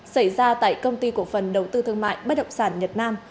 xảy ra tại công ty cổ phần đầu tư thương mại bất động sản nhật nam